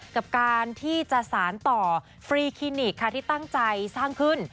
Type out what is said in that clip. กับการที่จะสารต่อฟรีคลินิกค่ะที่ตั้งใจสร้างขึ้น